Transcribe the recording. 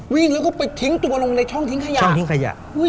วิ่งแล้วก็ไปทิ้งตัวลงในช่องทิ้งขยะ